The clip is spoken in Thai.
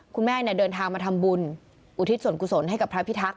คุณแม่เดินทางมาทำบุญอุทิศส่วนกุศลให้กับพระพิทักษ